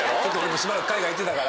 しばらく海外行ってたから。